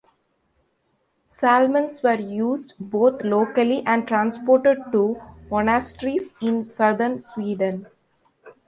Salmons were used both locally and transported to monasteries in southern Sweden.